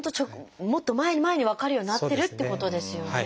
もっと前に前に分かるようになってるっていうことですよね。